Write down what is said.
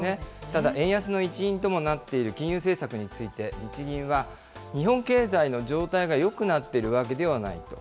ただ、円安の一因ともなっている金融政策について日銀は、日本経済の状態がよくなっているわけではないと。